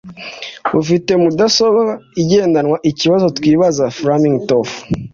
Ufite mudasobwa igendanwaikibazo twibaza (FlamingTofu)